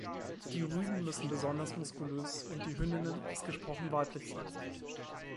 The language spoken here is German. Die Rüden müssen besonders muskulös und die Hündinnen ausgesprochen weiblich sein.